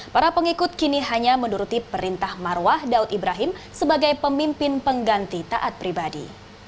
para pengikut kini hanya menuruti perintah marwah daud ibrahim sebagai pemimpin pengganti taat pribadi